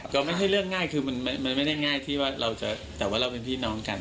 ก็ไม่ใช่เรื่องง่ายคือมันไม่ได้ง่ายที่ว่าเราจะแต่ว่าเราเป็นพี่น้องกัน